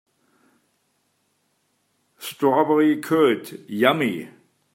Strawberry curd, yummy!